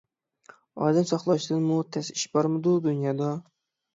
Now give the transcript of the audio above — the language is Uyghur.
ئادەم ساقلاشتىنمۇ تەس ئىش بارمىدۇ دۇنيادا؟